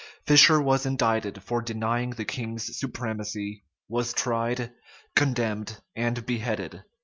Fisher was indicted for denying the king's supremacy, was tried, condemned, and beheaded.